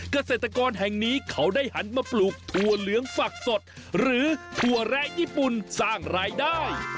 เกษตรกรแห่งนี้เขาได้หันมาปลูกถั่วเหลืองฝักสดหรือถั่วแร้ญี่ปุ่นสร้างรายได้